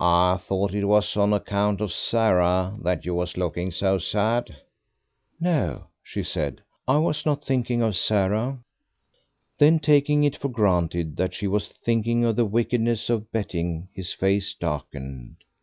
"I thought it was on account of Sarah that you was looking so sad." "No," she said, "I was not thinking of Sarah." Then, taking it for granted that she was thinking of the wickedness of betting, his face darkened.